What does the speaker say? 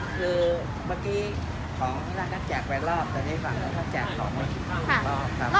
คือเมื่อกี้ของพี่น่าก็แจกไปรอบแต่ที่ฝั่งแล้วก็แจก๒รอบ